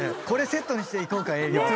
これセットにして行こうか営業。